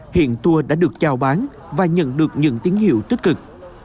hiện tour đã được trao bán và nhận được những tiếng hiệu tích cực